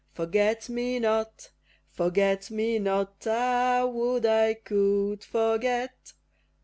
Forget me not! Forget me not! Ah! would I could forget!